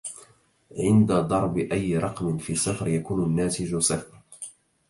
عند ضرب أي رقم في صفر يكون الناتج صفر